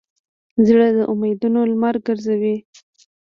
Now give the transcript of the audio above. زړه د امیدونو لمر ګرځوي.